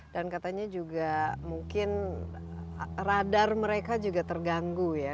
dan katanya juga mungkin radar mereka juga terganggu ya